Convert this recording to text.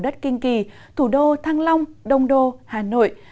thủ đô thăng long đông đô hà nội